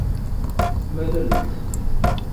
مللت.